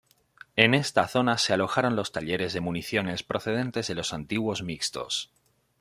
En esta zona se alojaron los talleres de municiones procedentes de los antiguos "Mixtos".